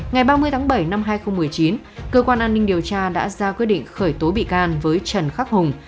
ngày ba mươi tháng bảy năm hai nghìn một mươi chín cơ quan an ninh điều tra đã ra quyết định khởi tố bị can với trần khắc hùng